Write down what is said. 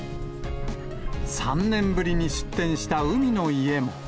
３年ぶりに出店した海の家も。